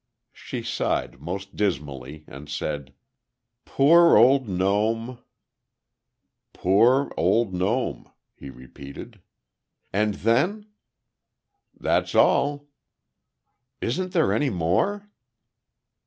She sighed most dismally and said: "Poor, old gnome." "Poor, old gnome," he repeated. "And then ?" she prompted. "That's all." "Isn't there any more?"